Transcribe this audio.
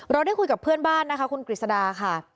เราได้คุยกับเพื่อนบ้านคุณกฤษดาค่ะ